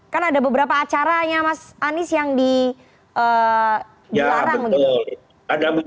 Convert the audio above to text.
kan ada beberapa acaranya mas anies yang di luarang